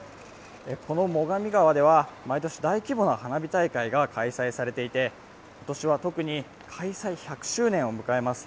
この最上川では毎年、大規模な花火大会が開催されていて、今年は特に開催百周年を迎えます。